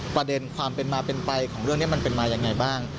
ประเด็นความเป็นมาเป็นไปของเรื่องนี้มันเป็นมายังไงบ้าง